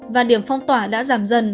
và điểm phong tỏa đã giảm dần